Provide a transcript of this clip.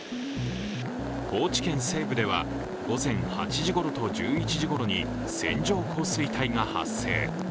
高知県西部では、午前８時ごろと１１時ごろに線状降水帯が発生。